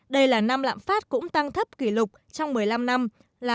đây là năm lạm phát cũng tăng thấp kỷ lục trong một mươi năm năm là